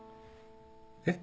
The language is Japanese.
えっ？